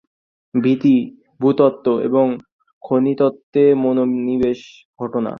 তিনি ভূ-তত্ত্ব এবং খনিতত্ত্বে মনোনিবেশ ঘটান।